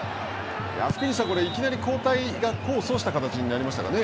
福西さん、いきなり交代が功を奏した形になりましたかね。